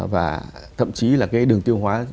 và thậm chí là cái đường tiêu hóa